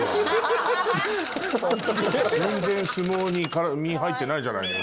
全然相撲に身入ってないじゃないの。